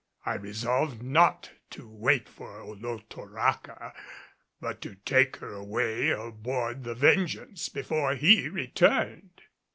I resolved not to wait for Olotoraca but to take her away aboard the Vengeance before he returned.